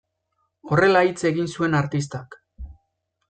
Horrela hitz egin zuen artistak.